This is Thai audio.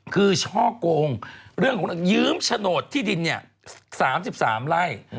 คือช่อกงเรื่องของยืมโฉนดที่ดิน๓๓ไร่